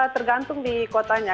tergantung di kotanya